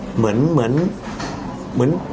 เหมือน